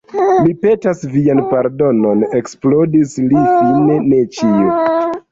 Mi petas vian pardonon, eksplodis li fine, ne ĉiu!